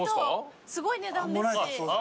すごい値段ですし。